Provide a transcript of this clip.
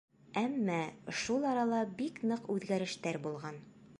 Әммә шул арала бик ныҡ үҙгәрештәр булған.